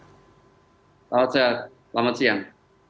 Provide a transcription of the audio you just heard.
salam sehat selamat siang